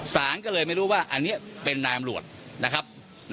สารก็เลยไม่รู้ว่าอันนี้เป็นนายอำรวจนะครับ